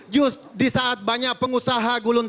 just di saat banyak pengusaha gulungan